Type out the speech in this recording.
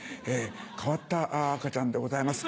変わった赤ちゃんでございます。